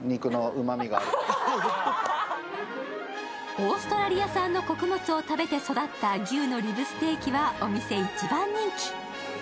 オーストラリア産の穀物を食べて育った牛のリブステーキは、お店一番人気。